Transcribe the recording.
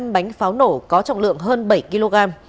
năm bánh pháo nổ có trọng lượng hơn bảy kg